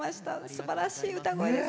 すばらしい歌声です。